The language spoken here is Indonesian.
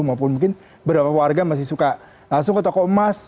maupun mungkin beberapa warga masih suka langsung ke toko emas